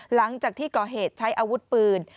หลังจากที่ก่อเหตุใช้อาวุธปืน